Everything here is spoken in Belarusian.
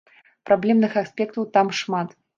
Праблемных аспектаў там шмат.